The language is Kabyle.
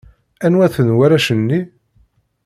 Anwa-ten warrac-nni?